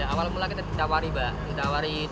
awal mula kita ditawari